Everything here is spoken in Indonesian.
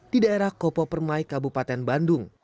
di daerah kopo permai kabupaten bandung